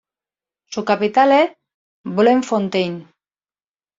Su capital es Bloemfontein.